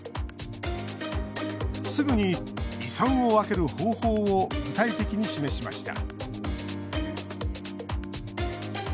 すぐに、遺産を分ける方法を具体的に示しました。